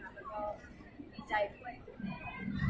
เวลาแรกพี่เห็นแวว